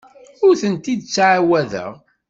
Ur tent-id-ttɛawadeɣ.